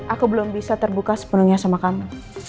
aku belum bisa terbuka sepenuhnya sama kamu